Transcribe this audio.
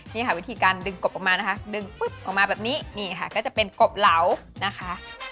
นี่ค่ะวิธีการดึงกบออกมานะคะดึงปุ๊บออกมาแบบนี้นี่ค่ะก็จะเป็นกบเหลานะคะ